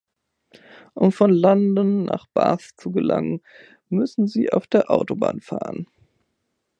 Um von London nach Bath zu gelangen, müssen Sie auf der Autobahn fahren